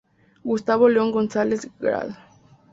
Gustavo León González, Gral.